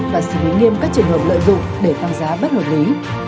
và xử lý nghiêm các trường hợp lợi dụng để tăng giá bất hợp lý